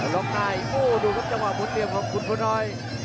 ล้อมนายดูกับจังหวะมุดเหลี่ยมของคุณพ่อน้อย